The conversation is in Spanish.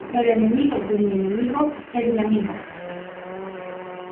El enemigo de mi enemigo es mi amigo